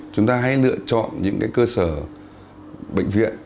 chúng ta hãy lựa chọn những cơ sở bệnh viện